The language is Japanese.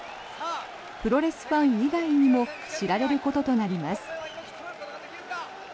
プロレスファン以外にも知られることとなります。